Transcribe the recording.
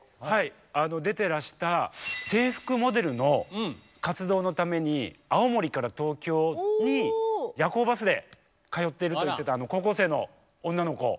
出てらした制服モデルの活動のために青森から東京に夜行バスで通っていると言ってた高校生の女の子。